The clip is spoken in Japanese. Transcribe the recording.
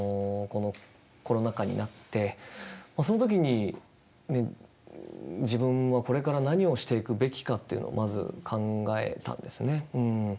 このコロナ禍になってその時に自分はこれから何をしていくべきかっていうのをまず考えたんですね。